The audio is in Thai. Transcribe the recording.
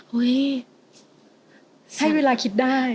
เฮ้ยให้เวลาคิดได้